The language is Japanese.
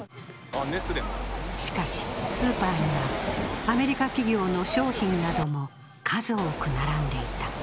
しかしスーパーにはアメリカ企業の商品なども数多く並んでいた。